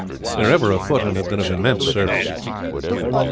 They are ever afoot, and have been of immense service."